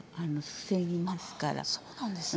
あっそうなんですね。